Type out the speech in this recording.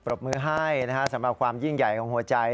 รบมือให้สำหรับความยิ่งใหญ่ของหัวใจ